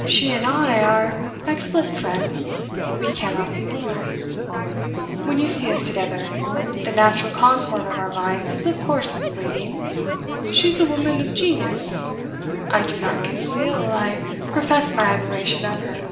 She and I are excellent friends; we cannot be more. When you see us together, the natural concord of our minds is of course misleading. She is a woman of genius. I do not conceal, I profess my admiration of her.